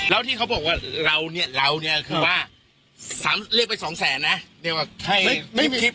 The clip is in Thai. แล้วที่เขาบอกว่าเราเนี่ยเราเนี่ยคือว่าเรียกไปสองแสนนะเรียกว่าให้คลิป